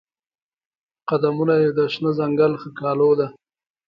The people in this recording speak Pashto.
قدمونه یې د شنه ځنګل ښکالو ده